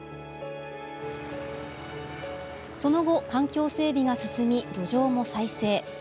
その後、環境整備が進み漁場も再生。